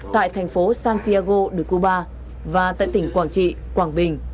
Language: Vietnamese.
tại thành phố santiago de cuba và tại tỉnh quảng trị quảng bình